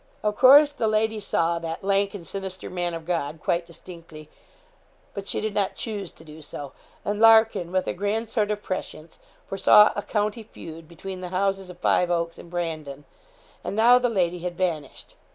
Of course the lady saw that lank and sinister man of God quite distinctly, but she did not choose to do so, and Larkin, with a grand sort of prescience, foresaw a county feud between the Houses of Five Oaks and Brandon, and now the lady had vanished.